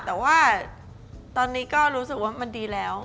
แต่ว่าตอนนี้ก็รู้สึกว่ามันดีแล้ว